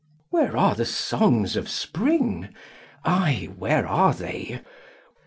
3. Where are the songs of Spring? Ay, where are they?